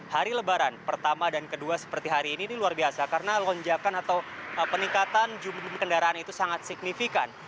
hari lebaran pertama dan kedua seperti hari ini ini luar biasa karena lonjakan atau peningkatan jumlah kendaraan itu sangat signifikan